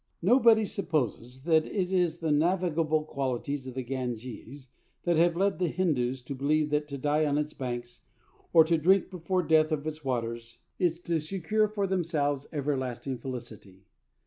Nobody supposes that it is the navigable qualities of the Ganges that have led the Hindus to believe that to die on its banks, or to drink before death of its waters, is to secure to themselves everlasting felicity.